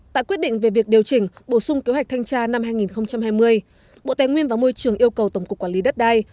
tại quyết định về việc điều chỉnh bổ sung kế hoạch thanh tra năm hai nghìn hai mươi bộ tài nguyên và môi trường yêu cầu tổng cục quản lý đất đai